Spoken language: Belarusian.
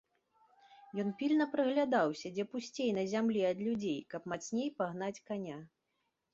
Ён пільна прыглядаўся, дзе пусцей на зямлі ад людзей, каб мацней пагнаць каня.